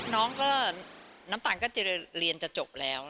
น้องก็น้ำตาลก็จะเรียนจะจบแล้ว